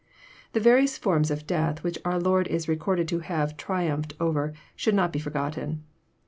The various for*ms of death which our Lord is recorded to have triumphed o rer should not be forgotten.